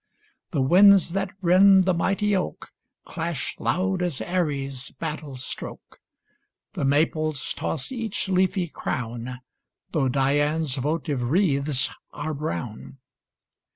The winds that rend the mighty oak Clash loud as Ares's battle stroke ; The maples toss each leafy crown Though Dian's votive wreaths are brown.